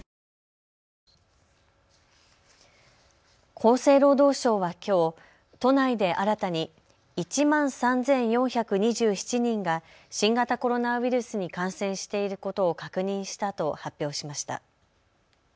厚生労働省はきょう都内で新たに１万３４２７人が新型コロナウイルスに感染していることを確認したと発表しました。